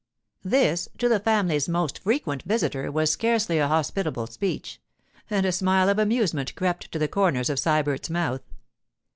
This to the family's most frequent visitor was scarcely a hospitable speech, and a smile of amusement crept to the corners of Sybert's mouth.